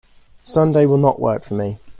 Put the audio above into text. Sunday will not work for me.